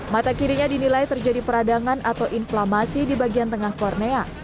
mata kirinya dinilai terjadi peradangan atau inflamasi di bagian tengah kornea